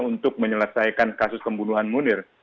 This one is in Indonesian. untuk menyelesaikan kasus pembunuhan munir